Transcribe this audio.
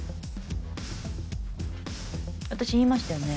私言いましたよね？